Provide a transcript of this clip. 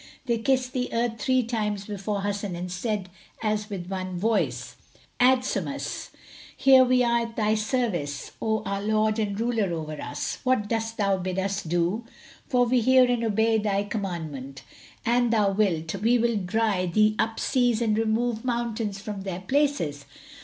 They kissed the earth three times before Hasan and said as with one voice, "Adsumus! Here are we at thy service, O our lord and ruler over us! What dost thou bid us do? For we hear and obey thy commandment. An thou wilt, we will dry thee up seas and remove mountains from their places."